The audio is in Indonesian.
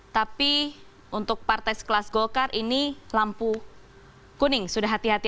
tapi untuk partai sekelas golkar ini lampu kuning sudah hati hati